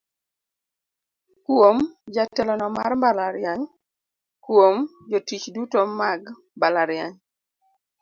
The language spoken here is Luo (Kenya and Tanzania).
"Kuom: Jatelono mar mbalariany, Kuom: Jotich duto mag mbalariany".